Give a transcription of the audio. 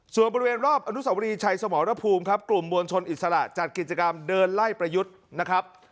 ส่วนบริเวณรอบอนุสาวรีชัยสมรภูมิครับกลุ่มมวลชนอิสระจัดกิจกรรมเดินไล่ประยุทธ์นะครับ